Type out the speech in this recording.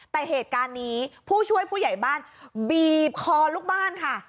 แต่เหตุการณ์นี้ผู้ช่วยผู้ใหญ่บ้านบีบคอลูกบ้านค่ะ